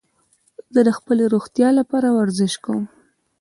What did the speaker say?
زه د خپلي روغتیا له پاره ورزش کوم.